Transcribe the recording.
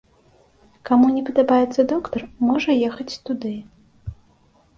Каму не падабаецца доктар, можа ехаць туды.